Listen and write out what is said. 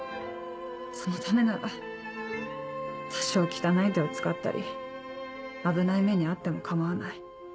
そのためなら多少汚い手を使ったり危ない目に遭っても構わない。